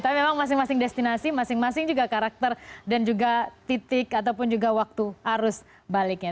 tapi memang masing masing destinasi masing masing juga karakter dan juga titik ataupun juga waktu arus baliknya